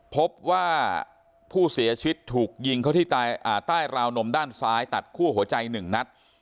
พบว่าผู้เสียชีวิตถูกยิงเขาที่ใต้ราวนมด้านซ้ายตัดคั่วหัวใจ๑นัด